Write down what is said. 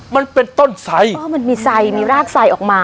มันเป็นต้นไสอ๋อมันมีไซมีรากไซออกมา